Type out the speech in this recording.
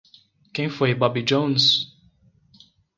Quem foi Bobi Jones?